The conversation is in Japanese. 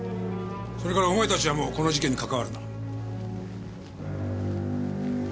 それからお前たちはもうこの事件に関わるな。